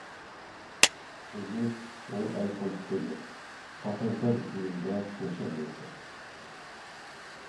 Имеш, ул альфонс түгел, ҡатын-ҡыҙ иңендә йәшәмәйәсәк.